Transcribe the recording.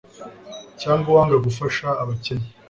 cyangwa uwanga gufasha abakene